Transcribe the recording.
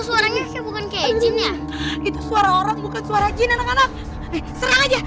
suaranya bukan kayak gym ya itu suara orang bukan suara jin anak anak serang aja